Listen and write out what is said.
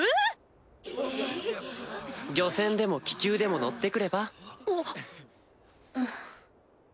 漁船でも気球でも乗ってくれば？